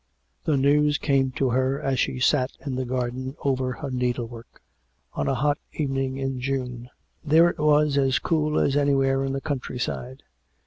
The news came to her as she sat in the garden over her needlework on a hot evening in June. There it was as cool as anywhere in the countryside.